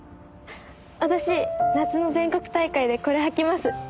私夏の全国大会でこれ履きます。